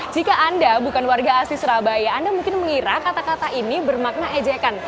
jika anda bukan warga asli surabaya anda mungkin mengira kata kata ini bermakna ejekan